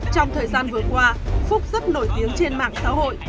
trong thời gian vừa qua phúc rất nổi tiếng trên mạng xã hội